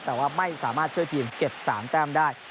แต่ว่าไม่สามารถช่วยทีมเก็บ๓แต้มได้